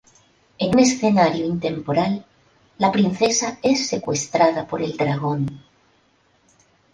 En un escenario intemporal, la Princesa es secuestrada por el Dragón.